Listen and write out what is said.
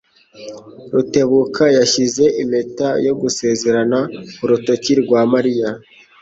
Rutebuka yashyize impeta yo gusezerana ku rutoki rwa Mariya.